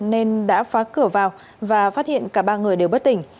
nên đã phá cửa vào và phát hiện cả ba người đều bất tỉnh